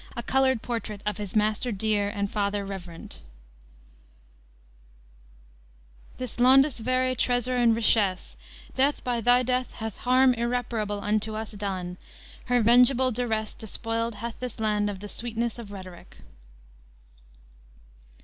a colored portrait of his "maister dere and fader reverent," "This londes verray tresour and richesse, Dethe by thy dethe hath harm irreparable Unto us done; hir vengeable duresse Dispoiled hath this londe of the swetnesse Of Rhetoryk."